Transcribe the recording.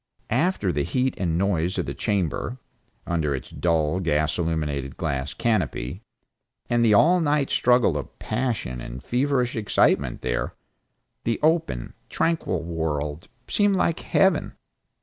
After the heat and noise of the chamber, under its dull gas illuminated glass canopy, and the all night struggle of passion and feverish excitement there, the open, tranquil world seemed like Heaven.